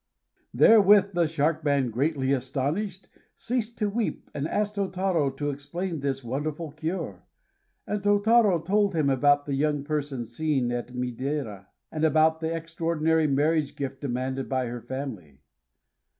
Therewith, the Shark Man, greatly astonished, ceased to weep, and asked Tôtarô to explain this wonderful cure; and Tôtarô told him about the young person seen at Miidera, and about the extraordinary marriage gift demanded by her family.